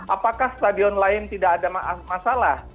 apakah stadion lain tidak ada masalah